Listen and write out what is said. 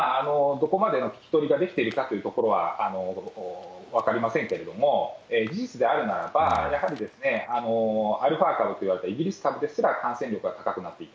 どこまでの聞き取りができているかというところは分かりませんけれども、事実であるならば、やはりアルファ株といわれたイギリス株ですら感染力が高くなっていた。